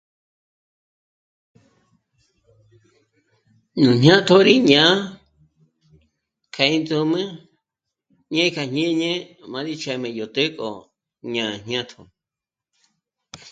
Nú jñátjo rí ñá'a k'e índzǔm'ü ñé'e kja jñíni m'á rí ch'ájme yó të́'ë k'o jñá'a jñátjo